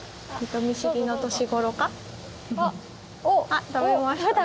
あっ食べました。